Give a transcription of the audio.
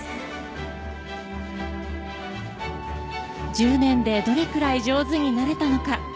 １０年でどれくらい上手になれたのか。